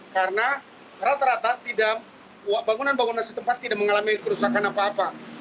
karena rata rata bangunan bangunan setempat tidak mengalami kerusakan apa apa